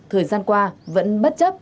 thời gian qua vẫn bất chấp